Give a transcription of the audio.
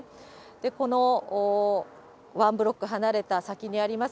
このワンブロック離れた先にあります